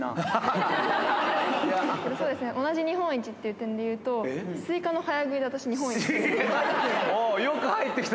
そうですね、同じ日本一っていう点でいうと、スイカの早食いで、私、日本一になりました。